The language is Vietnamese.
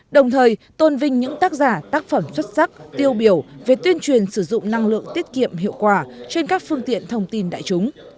đồng thời tôn vinh những tác giả tác phẩm xuất sắc tiêu biểu về tuyên truyền sử dụng năng lượng tiết kiệm hiệu quả trên các phương tiện thông tin đại chúng